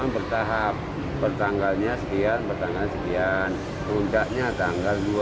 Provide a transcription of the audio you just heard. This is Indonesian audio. bertanggalnya sekian bertanggal sekian